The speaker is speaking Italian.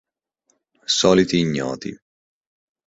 Soliti ignoti